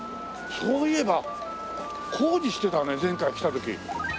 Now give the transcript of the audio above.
そういえば工事してたね前回来た時。